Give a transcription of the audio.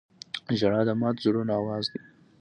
• ژړا د ماتو زړونو آواز دی.